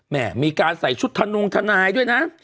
มีการใส่ชุดทะนงทนายด้วยนะ